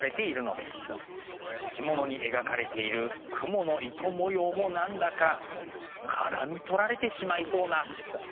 着物に描かれている蜘蛛の糸模様も何だか絡み取られてしまいそうな。